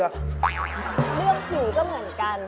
เรื่องผีก็เหมือนกัน